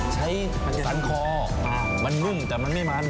ใช้สันคอมันนุ่มแต่มันไม่มัน